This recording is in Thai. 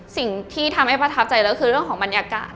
สิ่งที่ทำให้ประทับใจแล้วคือเรื่องของบรรยากาศ